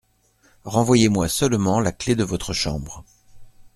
Renvoyez-moi seulement la clef de votre chambre.